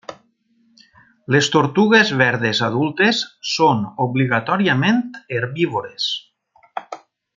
Les tortugues verdes adultes són obligatòriament herbívores.